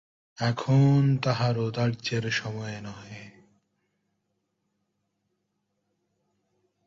এখন তাহার ঔদার্যের সময় নহে।